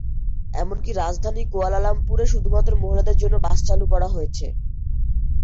এমনকি রাজধানী কুয়ালালামপুরে শুধুমাত্র মহিলাদের জন্য বাস চালু করা হয়েছে।